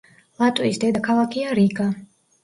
ლატვიის დედაქალაქია რიგა.